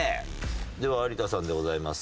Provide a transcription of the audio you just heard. では有田さんでございますが。